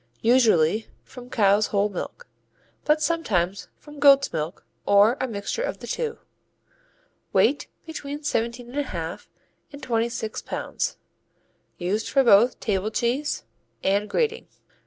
Usually from cow's whole milk, but sometimes from goat's milk or a mixture of the two. Weight between 17 1/2 and 26 pounds. Used for both table cheese and grating.